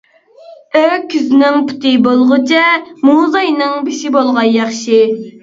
ئۆكۈزنىڭ پۇتى بولغۇچە، موزاينىڭ بېشى بولغان ياخشى.